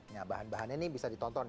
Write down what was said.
nah bahan bahannya ini bisa ditonton